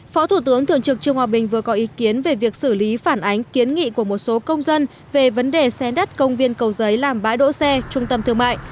phó thủ tướng thường trực trương hòa bình vừa có ý kiến về việc xử lý phản ánh kiến nghị của một số công dân về vấn đề xén đất công viên cầu giấy làm bãi đỗ xe trung tâm thương mại